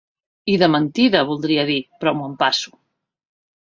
I de mentida, voldria dir, però m'ho empasso.